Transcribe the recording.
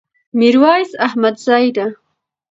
ميرويس احمدزي ده